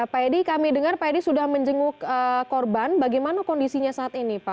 pak edi kami dengar pak edi sudah menjenguk korban bagaimana kondisinya saat ini pak